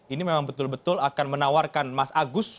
ini memang betul betul akan menawarkan mas agus